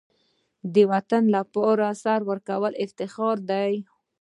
د وطن لپاره سر ورکول افتخار دی.